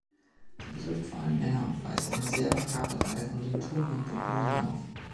Sie betrifft vor allem Männer und weist eine sehr variable Reihe von Symptomen und Prognosen auf.